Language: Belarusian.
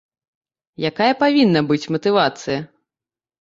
Якая павінна быць матывацыя?